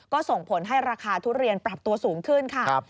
ก็ส่งผลให้ราคาทุเรียนปรับตัวสูงขึ้นค่ะ